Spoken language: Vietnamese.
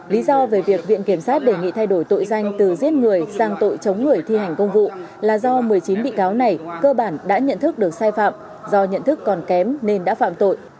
lý do về việc viện kiểm sát đề nghị thay đổi tội danh từ giết người sang tội chống người thi hành công vụ là do một mươi chín bị cáo này cơ bản đã nhận thức được sai phạm do nhận thức còn kém nên đã phạm tội